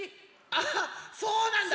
あっそうなんだ。